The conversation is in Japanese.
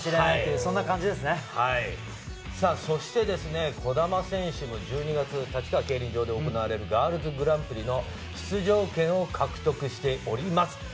そして児玉選手も１２月、立川競輪場で行われるガールズグランプリへの出場権を獲得しています。